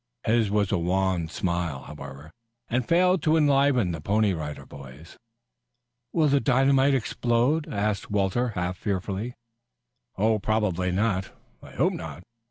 His was a wan smile, however, and failed to enliven the Pony Rider Boys. "Will the dynamite explode?" asked Walter half fearfully. "Probably not. I hope not.